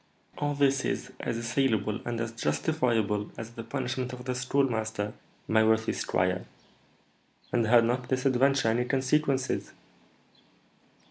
"All this is as assailable and as justifiable as the punishment of the Schoolmaster, my worthy squire. And had not this adventure any consequences?"